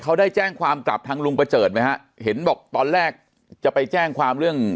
เขาได้แจ้งความกลับทางลุงประเจิดไหมฮะเห็นบอกตอนแรกจะไปแจ้งความเรื่อง